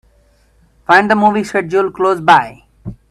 Find the movie schedule close by